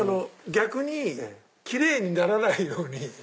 逆に奇麗にならないように。